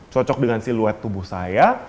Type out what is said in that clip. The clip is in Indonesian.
cocok dengan siluet tubuh saya